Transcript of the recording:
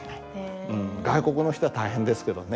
外国の人は大変ですけどね。